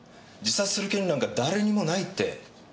自殺する権利なんか誰にもないって。